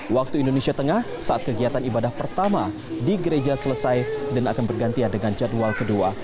waktu indonesia tengah saat kegiatan ibadah pertama di gereja selesai dan akan bergantian dengan jadwal kedua